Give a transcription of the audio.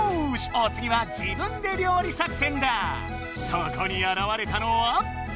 おつぎはそこにあらわれたのは。